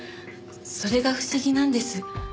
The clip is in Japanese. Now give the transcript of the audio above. それが不思議なんです。